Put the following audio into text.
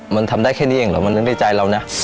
มันทำได้แค่นี้เองเหรอมันนึกในใจเรานะ